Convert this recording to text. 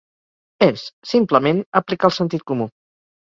És, simplement, aplicar el sentit comú.